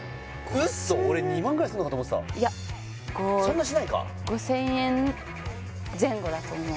ウッソ俺２万ぐらいすんのかと思ってたいや５そんなしないか５０００円前後だと思う